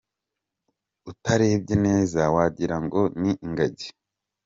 Utarebye neza wagira ngo ni ingagi.